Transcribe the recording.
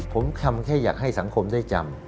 ผมทำแค่อยากให้สังคมได้จำ